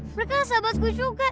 mereka sahabat gua juga